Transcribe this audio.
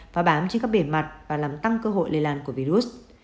phá bám trên các bề mặt và làm tăng cơ hội lây lan của virus